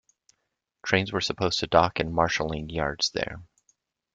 Trains were supposed to dock in marshaling yards there.